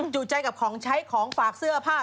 จู่ใจกับของใช้ของฝากเสื้อผ้า